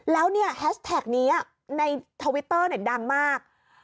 แล้วแฮชแท็กนี้ในทวิตเตอร์น่ะดังมาก